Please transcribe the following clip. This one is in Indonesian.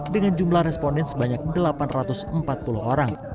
dengan jumlah responden sebanyak delapan ratus empat puluh orang